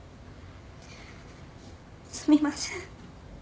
すみません。